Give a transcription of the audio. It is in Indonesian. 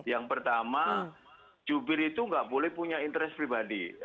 yang pertama jubir itu nggak boleh punya interest pribadi